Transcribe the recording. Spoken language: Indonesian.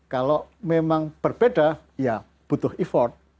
kalau memang berbeda ya butuh effort